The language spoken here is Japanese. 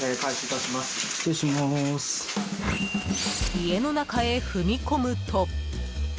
［家の中へ踏み込むと］